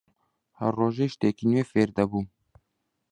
هەر ڕۆژەی شتێکی نوێ فێر دەبووم